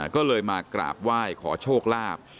ก็เลยมากราบไหว้ขอโชคลาภ